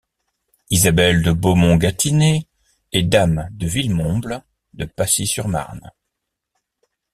Isabelle de Beaumont-Gâtinais est dame de Villemomble, de Passy-sur-Marne.